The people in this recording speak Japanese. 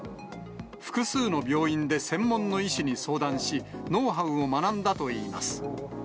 複数の病院で専門の医師に相談し、ノウハウを学んだといいます。